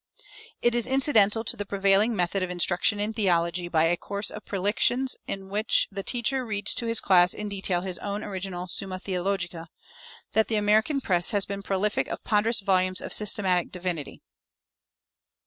[377:1] It is incidental to the prevailing method of instruction in theology by a course of prelections in which the teacher reads to his class in detail his own original summa theologiæ, that the American press has been prolific of ponderous volumes of systematic divinity.